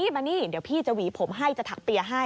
มานี่เดี๋ยวพี่จะหวีผมให้จะถักเปียร์ให้